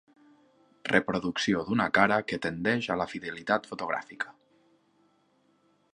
Reproducció d'una cara que tendeix a la fidelitat fotogràfica.